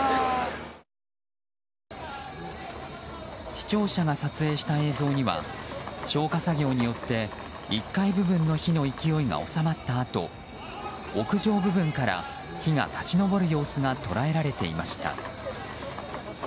視聴者が撮影した映像には消火作業によって１階部分の火の勢いが収まったあと屋上部分から火が立ち上る様子が捉えられていました。